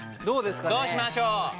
どうしましょう？